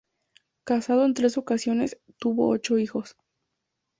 Casado en tres ocasiones, tuvo ocho hijos.